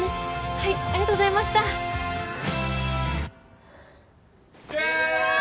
はいありがとうございました１０！